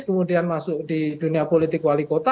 kemudian masuk di dunia politik wali kota